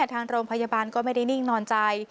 ทางโรงพยาบาลก็ไม่ได้นิ่งนอนใจ